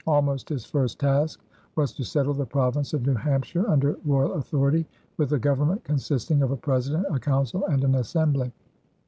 Almost his first task was to settle the province of New Hampshire under royal authority, with a government consisting of a president, a council, and an assembly.